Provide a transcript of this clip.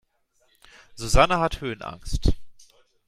Susanne hat Höhenangst.